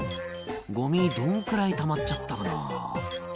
「ゴミどんくらいたまっちゃったかな？」